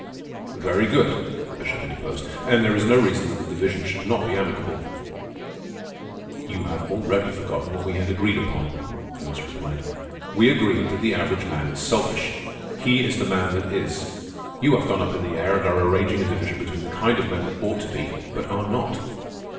"Very good," the Bishop interposed. "And there is no reason that the division should not be amicable." "You have already forgotten what we had agreed upon," Ernest replied. "We agreed that the average man is selfish. He is the man that is. You have gone up in the air and are arranging a division between the kind of men that ought to be but are not.